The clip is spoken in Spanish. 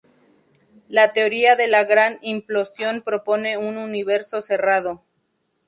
La teoría de la Gran Implosión propone un universo cerrado.